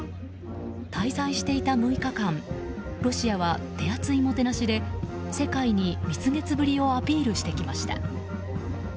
滞在していた６日間ロシアは手厚いもてなしで世界に蜜月ぶりをアピールしてきました。